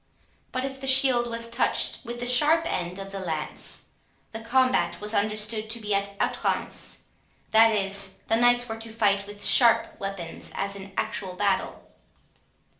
But if the shield was touched with the sharp end of the lance, the combat was understood to be at "outrance", that is, the knights were to fight with sharp weapons, as in actual battle.